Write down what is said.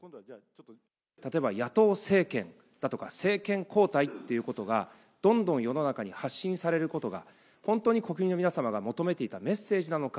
例えば野党政権だとか、政権交代っていうことが、どんどん世の中に発信されることが、本当に国民の皆様が求めていたメッセージなのか。